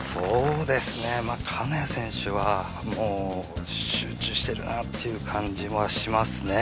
金谷選手はもう集中してるなという感じもしますね。